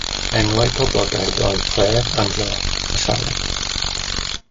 Enwau poblogaidd oedd Claire, Angela a Charlotte.